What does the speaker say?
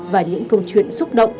và những câu chuyện xúc động